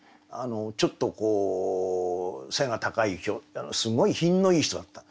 ちょっと背が高いすごい品のいい人だった。